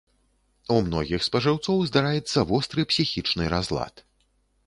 У многіх спажыўцоў здараецца востры псіхічны разлад.